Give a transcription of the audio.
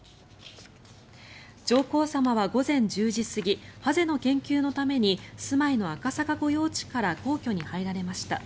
上皇さまは午前１０時過ぎハゼの研究のために住まいの赤坂御用地から皇居に入られました。